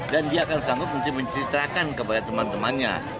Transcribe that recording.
dan dia akan sanggup menceritakan kepada teman temannya